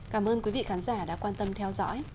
cảm ơn quý vị khán giả đã quan tâm theo dõi